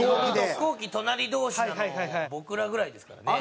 飛行機隣同士なの僕らぐらいですからね。